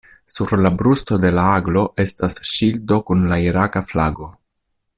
Sur la brusto de la aglo estas ŝildo kun la iraka flago.